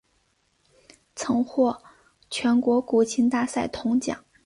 曾获全国古琴大赛铜奖。